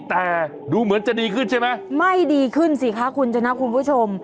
แต่ดูเหมือนจะดีขึ้นใช่ไหมไม่ดีขึ้นสิคะคุณชนะคุณผู้ชม